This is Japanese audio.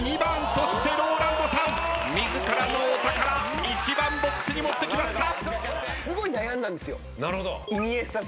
そしてＲＯＬＡＮＤさん自らのお宝１番ボックスに持ってきました。